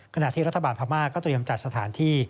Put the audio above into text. ขณะที่รัฐบาลพม่าก็เตรียมจัดสถานที่